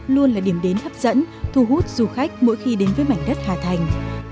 luôn là điểm đến hấp dẫn thu hút du khách mỗi khi đến với mảnh đất hà thành